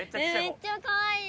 めっちゃかわいい！